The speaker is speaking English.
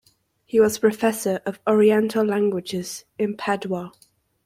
He was professor of Oriental languages in Padua.